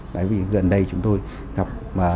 đấy vì gần đây chúng tôi gặp